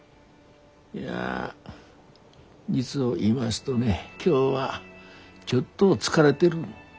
いや実を言いますとね今日はちょっと疲れでる。